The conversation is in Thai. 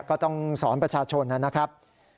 ก็ต้องสอนประชาชนนะครับ